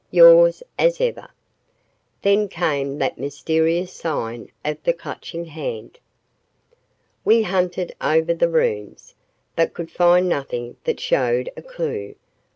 Yours as ever, Then came that mysterious sign of the Clutching Hand. We hunted over the rooms, but could find nothing that showed a clue.